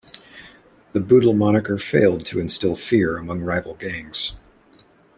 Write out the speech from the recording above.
The Boodle moniker failed to instill fear among rival gangs.